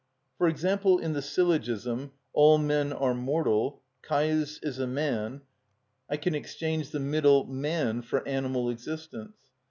For example, in the syllogism: All men are mortal; Caius is a man: I can exchange the middle "man" for "animal existence."